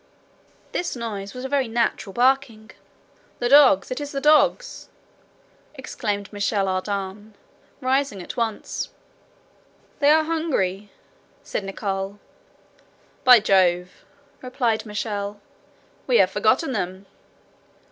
This noise was a very natural barking. "The dogs! it is the dogs!" exclaimed Michel Ardan, rising at once. "They are hungry," said Nicholl. "By Jove!" replied Michel, "we have forgotten them."